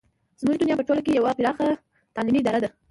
زموږ دنیا په ټوله کې یوه پراخه تعلیمي اداره ده.